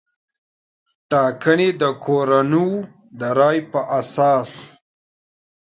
ټاګنې د کورنیو د رایې پر اساس